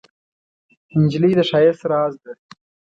نجلۍ د ښایست راز ده.